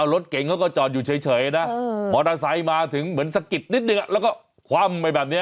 รถเก่งเขาก็จอดอยู่เฉยนะมอเตอร์ไซค์มาถึงเหมือนสะกิดนิดนึงแล้วก็คว่ำไปแบบนี้